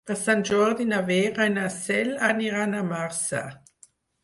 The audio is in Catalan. Per Sant Jordi na Vera i na Cel aniran a Marçà.